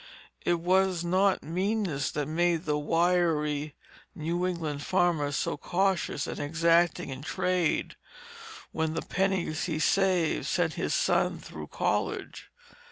It was not meanness that made the wiry New England farmer so cautious and exacting in trade, when the pennies he saved sent his son through college.